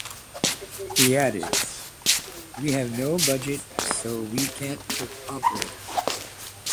He added, We have no budget so we can't operate.